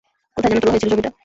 কোথায় যেন তোলা হয়েছিল ছবিটা?